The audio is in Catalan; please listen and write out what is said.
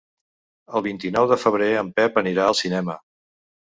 El vint-i-nou de febrer en Pep anirà al cinema.